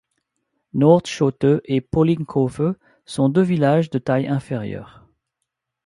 Noordschote et Pollinkhove sont deux villages de taille inférieure.